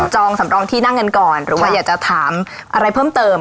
องสำรองที่นั่งกันก่อนหรือว่าอยากจะถามอะไรเพิ่มเติม